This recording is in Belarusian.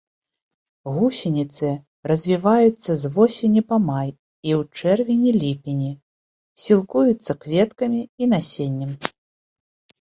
Гусеніцы развіваюцца з восені па май і ў чэрвені-ліпені, сілкуюцца кветкамі і насеннем.